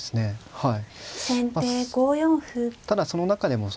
はい。